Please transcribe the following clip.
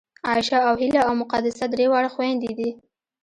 عایشه او هیله او مقدسه درې واړه خوېندې دي